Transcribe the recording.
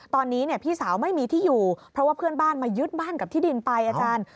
ตอนนี้พี่สาวไม่มีที่อยู่เพราะว่าเพื่อนบ้านมายึดบ้านกับที่ดินไปอาจารย์